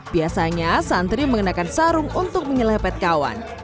biasanya santri mengenakan sarung untuk menyelepet kawan